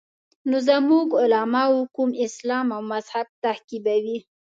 نو زموږ علما کوم اسلام او مذهب تعقیبوي.